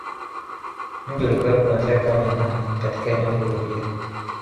Mji ulikuwepo kuanzia karne ya nane Katika eneo hilo pia